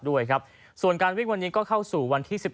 ด้วยครับส่วนการวิ่งวันนี้ก็เข้าสู่วันที่๑๑